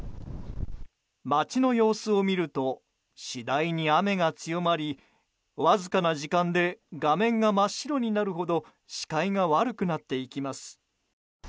街の様子を見ると次第に雨が強まりわずかな時間で画面が真っ白になるほど視界が悪くなっていきます。